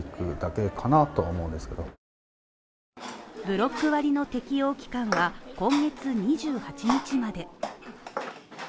ブロック割の適用期間は今月２８日まで。